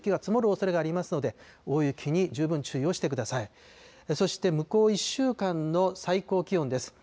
そして向こう１週間の最高気温です。